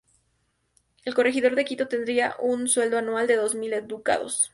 El Corregidor de Quito tendría un sueldo anual de dos mil ducados.